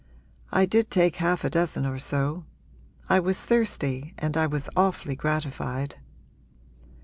I did take half a dozen or so; I was thirsty and I was awfully gratified.'